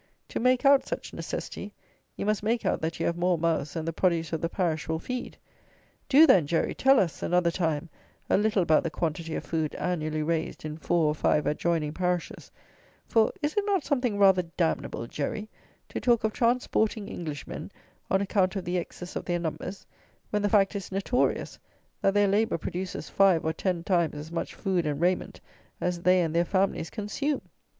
To make out such necessity, you must make out that you have more mouths than the produce of the parish will feed. Do then, Jerry, tell us, another time, a little about the quantity of food annually raised in four or five adjoining parishes; for, is it not something rather damnable, Jerry, to talk of transporting Englishmen, on account of the excess of their numbers, when the fact is notorious that their labour produces five or ten times as much food and raiment as they and their families consume!